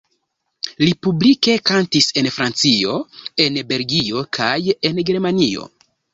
Li publike kantis en Francio, en Belgio kaj en Germanio.